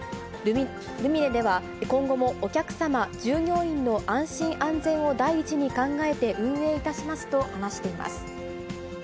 ルミネでは今後もお客様、従業員の安心安全を第一に考えて運営いたしますと話しています。